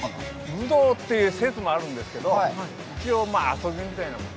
武道っていう説もあるんですけど一応遊びみたいなもの。